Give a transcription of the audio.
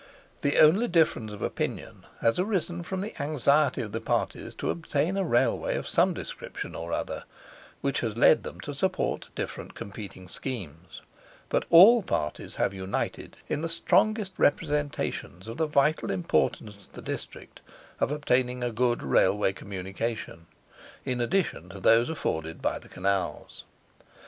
The only difference of opinion has arisen from the anxiety of the parties to obtain a Railway of some description or other, which has led them to support different competing schemes; but all parties have united in the strongest representations of the vital importance to the district of obtaining a good Railway communication, in addition to those afforded by the Canals.